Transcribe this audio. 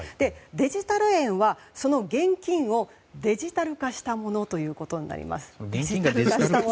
デジタル円はその現金をデジタル化したものということになります。